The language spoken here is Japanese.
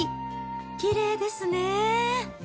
きれいですね。